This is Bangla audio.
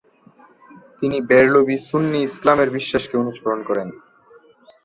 তিনি বেরলভী সুন্নি ইসলামের বিশ্বাসকে অনুসরণ করেন।